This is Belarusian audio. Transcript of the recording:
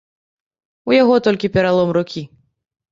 У яго толькі пералом рукі.